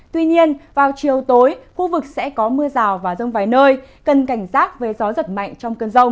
tuy nhiên vào chiều tối khu vực sẽ có mưa rào và rông vài nơi cần cảnh giác với gió giật mạnh trong cơn rông